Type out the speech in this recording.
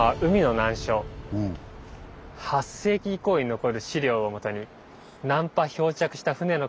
８世紀以降に残る資料をもとに難破漂着した船の数を記した図です。